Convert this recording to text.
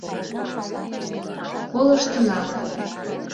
— Колыштына...